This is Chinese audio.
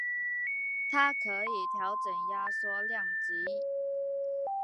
它可以调整压缩量级以实现文件大小与视觉质量之间的期望与权衡。